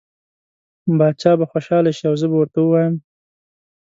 باچا به خوشحاله شي او زه به ورته ووایم.